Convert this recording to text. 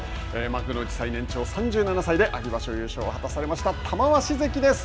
幕内最年長３７歳で秋場所優勝を果たされました玉鷲関です。